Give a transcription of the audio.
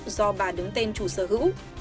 do bà đứng tên chủ sở hữu